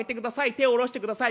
手下ろしてください。